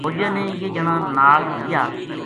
فوجیاں نے یہ جنا نال لیا